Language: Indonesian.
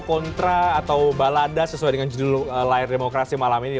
kontra atau balada sesuai dengan judul layar demokrasi malam ini